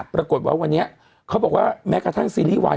ปรากฏว่าวันนี้เขาบอกว่าแม้กระทั่งซีรีส์วาย